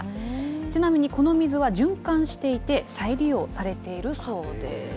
ちなみにこの水は循環していて、再利用されているそうです。